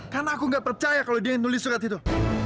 karena aku gak percaya kalo dia yang nulis surat itu